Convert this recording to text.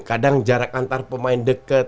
kadang jarak antar pemain dekat